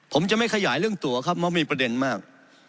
ผมจะไม่ขยายเรื่องตัวครับเพราะมีประเด็นมาก